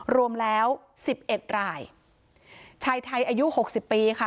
รวมแล้วสิบเอ็ดรายชายไทยอายุหกสิบปีค่ะ